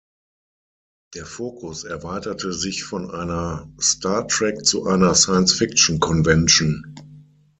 Der Fokus erweiterte sich von einer Star Trek zu einer Science-Fiction Convention.